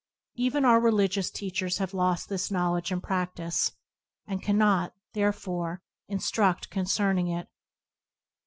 Even our religious teachers have lost this knowledge and practice, and cannot, therefore, instruct concerning it.